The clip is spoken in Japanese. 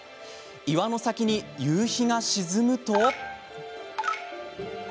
岩の先に、夕日が沈むと。